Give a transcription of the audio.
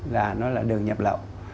là nó là đường nhập lậu